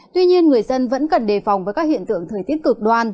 tuy nhiên người dân vẫn cần đề phòng với các hiện tượng thời tiết cực đoan